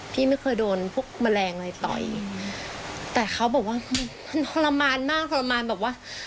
พี่ไม่เคยโดนพวกแมลงอะไรต่อยแต่เขาบอกว่ามันทรมานมากทรมานแบบว่า